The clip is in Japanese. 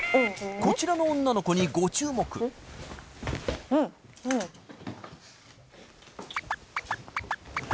こちらの女の子にご注目うんっ何？